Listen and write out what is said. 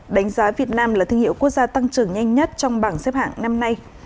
đánh giá việt nam là thương hiệu quốc gia tăng trưởng nhanh nhất trong bảng xếp hạng năm nay